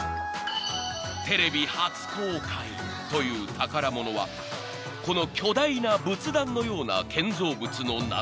［テレビ初公開という宝物はこの巨大な仏壇のような建造物の中］